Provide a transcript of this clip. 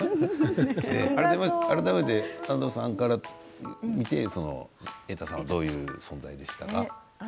改めて安藤さんから見て瑛太さんはどういう存在でしたか。